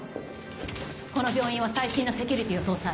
この病院は最新のセキュリティーを搭載。